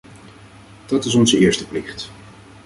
Dat is onze eerste plicht.